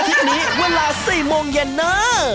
วันอาทิตย์นี้เวลา๔โมงเย็นเนอะ